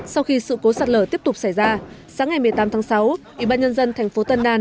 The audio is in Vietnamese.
sau khi sự cố sạt lở tiếp tục xảy ra sáng ngày một mươi tám tháng sáu ủy ban nhân dân thành phố tân an